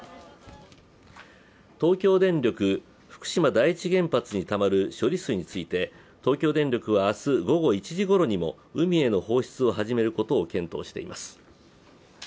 東京電力福島第一原発にたまる処理水について東京電力は明日午後１時ごろにも海への放出を始めることを検討しています。